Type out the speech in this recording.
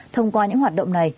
thông qua những hoạt động này